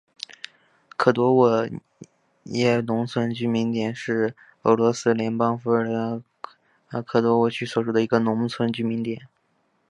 萨多沃耶农村居民点是俄罗斯联邦伏尔加格勒州贝科沃区所属的一个农村居民点。